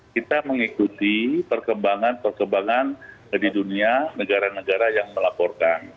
kita mengikuti perkembangan perkembangan di dunia negara negara yang melaporkan